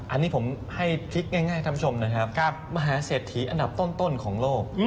อันนี้ผมให้พลิกง่ายท่านผู้ชมนะครับมหาเศรษฐีอันดับต้นของโลก